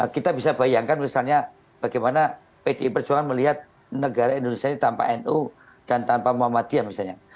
kita bisa bayangkan misalnya bagaimana pdi perjuangan melihat negara indonesia ini tanpa nu dan tanpa muhammadiyah misalnya